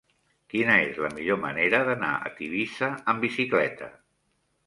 Quina és la millor manera d'anar a Tivissa amb bicicleta?